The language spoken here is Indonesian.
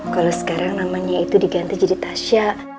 kalau sekarang namanya itu diganti jadi tasya